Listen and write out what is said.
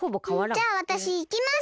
じゃあわたしいきます。